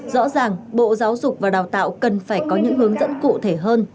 rõ ràng bộ giáo dục và đào tạo cần phải có những hướng dẫn cụ thể hơn